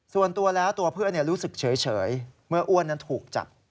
ส่วนตัวแล้วตัวเพื่อนรู้สึกเฉยเมื่ออ้วนนั้นถูกจับ